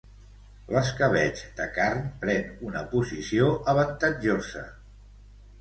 L'escabetx de carn pren una posició avantatjosa